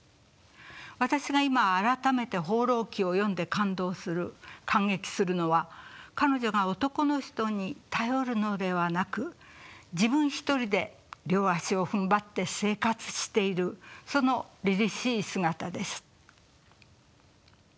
私が今改めて「放浪記」を読んで感動する感激するのは彼女が男の人に頼るのではなく自分一人で両足をふんばって生活しているそのりりしい姿です。